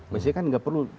maksudnya kan tidak perlu